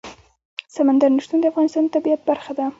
سمندر نه شتون د افغانستان د طبیعت برخه ده.